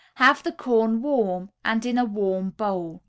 Have the corn warm and in a warm bowl.